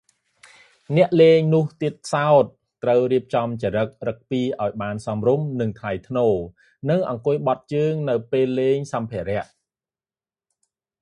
អ្នកលេងនោះទៀតសោត ត្រូវរៀបចរិតឫកពារ ឱ្យបានសមរម្យនិងថ្លៃថ្នូរ និងអង្គុយបត់ជើងនៅពេលលេងសម្ភារ ។